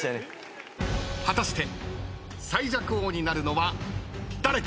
果たして最弱王になるのは誰か！？